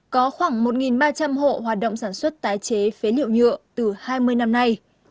có khoảng một ba trăm linh hộ hoạt động sản xuất tái chế phế liệu nhựa từ hai mươi năm nay